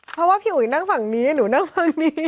เพราะว่าพี่อุ๋ยนั่งฝั่งนี้หนูนั่งฝั่งนี้